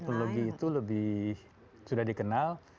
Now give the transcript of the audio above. teknologi itu lebih sudah dikenal